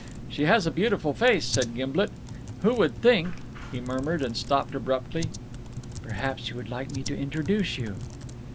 "She has a beautiful face," said Gimblet. "Who would think " he murmured, and stopped abruptly. "Perhaps you would like me to introduce you?"